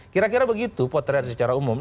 kira kira begitu potensi secara umum